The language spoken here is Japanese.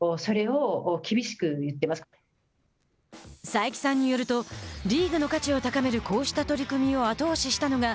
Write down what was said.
佐伯さんによるとリーグの価値を高めるこうした取り組みを後押ししたのが